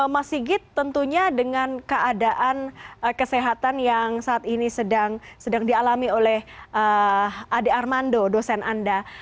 mas sigit tentunya dengan keadaan kesehatan yang saat ini sedang dialami oleh ade armando dosen anda